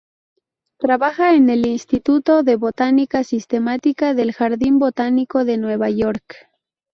Trabaja en el "Instituto de Botánica Sistemática del Jardín Botánico de Nueva York.